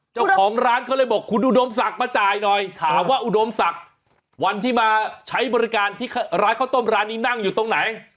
เจ้าของร้านเขาเลยบอกคุณอุดมศักดิ์มาจ่ายหน่อยถามว่าอุดมศักดิ์วันที่มาใช้บริการที่ร้านข้าวต้มร้านนี้นั่งอยู่ตรงไหน